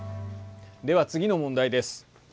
では次の問題です。